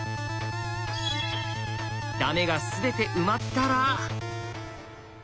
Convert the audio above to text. ダメが全て埋まったら。